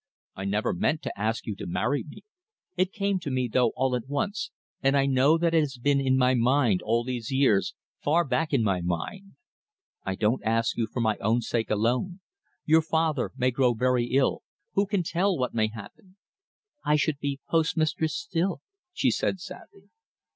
I never meant to ask you to marry me. It came to me, though, all at once, and I know that it has been in my mind all these years far back in my mind. I don't ask you for my own sake alone. Your father may grow very ill who can tell what may happen!" "I should be postmistress still," she said sadly.